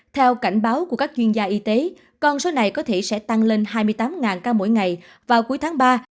theo cảnh báo của các chuyên gia y tế con số này có thể sẽ tăng lên hai mươi tám ca mỗi ngày vào cuối tháng ba